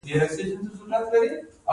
د سترګو د بڼو لپاره کوم تېل وکاروم؟